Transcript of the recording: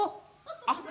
あっ。